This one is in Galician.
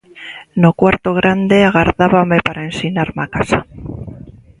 No cuarto grande agardábame para ensinarme a casa.